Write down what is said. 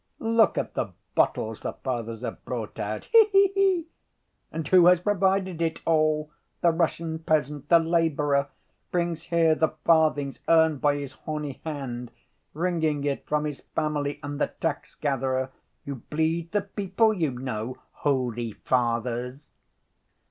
Look at the bottles the fathers have brought out, he he he! And who has provided it all? The Russian peasant, the laborer, brings here the farthing earned by his horny hand, wringing it from his family and the tax‐gatherer! You bleed the people, you know, holy fathers."